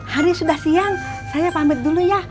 hari sudah siang saya pamit dulu ya